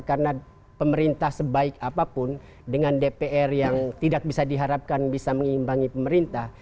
karena pemerintah sebaik apapun dengan dpr yang tidak bisa diharapkan bisa mengimbangi pemerintah